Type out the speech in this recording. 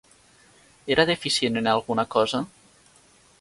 Era deficient en alguna cosa?